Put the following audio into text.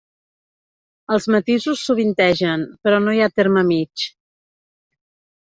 Els matisos sovintegen, però no hi ha terme mig.